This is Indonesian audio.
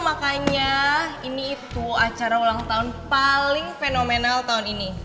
makanya ini itu acara ulang tahun paling fenomenal tahun ini